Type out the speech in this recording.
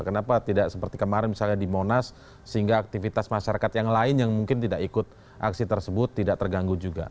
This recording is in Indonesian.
kenapa tidak seperti kemarin misalnya di monas sehingga aktivitas masyarakat yang lain yang mungkin tidak ikut aksi tersebut tidak terganggu juga